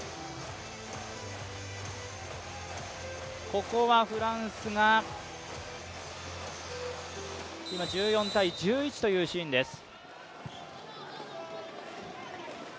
ここはフランスが今１４−１１というシーンです。